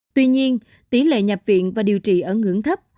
tuy nhiên tỷ lệ nhập viện và điều trị ở ngưỡng thấp